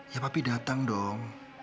ya papi datang dong